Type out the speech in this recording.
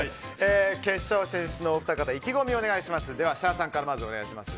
決勝進出のお二方、意気込みを設楽さんから、お願いします。